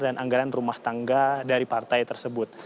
dan anggaran rumah tangga dari partai tersebut